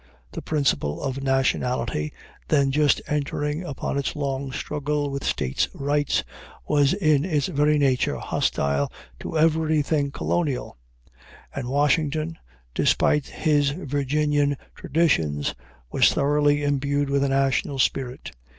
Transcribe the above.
The principle of nationality, then just entering upon its long struggle with state's rights, was in its very nature hostile to everything colonial; and Washington, despite his Virginian traditions, was thoroughly imbued with the national spirit.